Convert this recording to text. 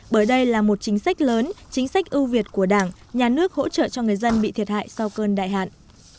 bởi đây là một chính sách lớn chính sách ưu việt của đảng nhà nước hỗ trợ cho người dân bị thiệt hại sau cơn đại hạn